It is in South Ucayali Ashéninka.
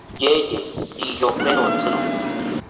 Yeye riyoperotziro